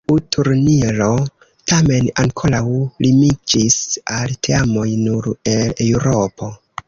Tiu turniro tamen ankoraŭ limiĝis al teamoj nur el Eŭropo.